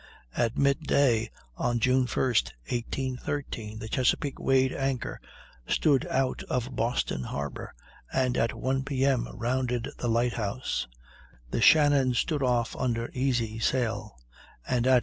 At midday of June 1, 1813, the Chesapeake weighed anchor, stood out of Boston Harbor, and at 1 P.M. rounded the Light house. The Shannon stood off under easy sail, and at 3.